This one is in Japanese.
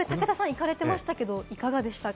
武田さん、行かれていましたけれども、いかがでしたか？